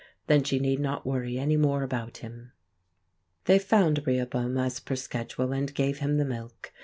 Then she need not worry any more about him. They found Rehoboam as per schedule, and gave him the milk.